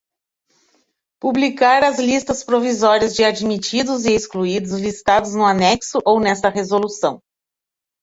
Publicar as listas provisórias de admitidos e excluídos listados no anexo ou nesta resolução.